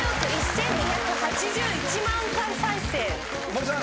森さん。